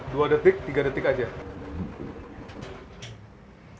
dua detik tiga detik aja